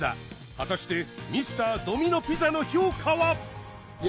果たしてＭｒ．ドミノ・ピザの評価は？